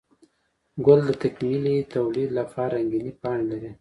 گل د تکميلي توليد لپاره رنګينې پاڼې لري